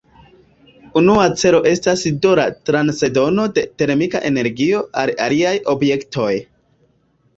Unua celo estas do la transdono de termika energio al aliaj objektoj.